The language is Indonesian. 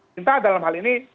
kita dalam hal ini